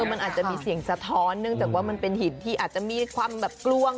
มันอาจจะมีเสียงสะท้อนเนื่องจากว่ามันเป็นหินที่อาจจะมีความแบบกล้วง